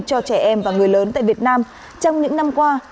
cho trẻ em và người lớn tại việt nam trong những năm qua